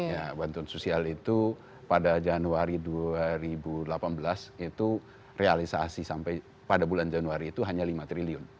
ya bantuan sosial itu pada januari dua ribu delapan belas itu realisasi sampai pada bulan januari itu hanya lima triliun